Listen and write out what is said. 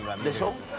でしょ！